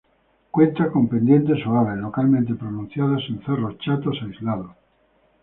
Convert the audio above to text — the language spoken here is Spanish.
Cuenta con pendientes suaves, localmente pronunciadas en cerros chatos aislados.